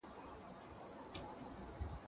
که وخت وي، سفر کوم،